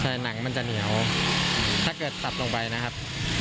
แต่หนังมันจะเหนียวถ้าเกิดสับลงไปนะครับ